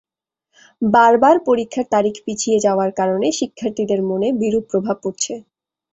বারবার পরীক্ষার তারিখ পিছিয়ে যাওয়ার কারণে শিক্ষার্থীদের মনে বিরূপ প্রভাব পড়ছে।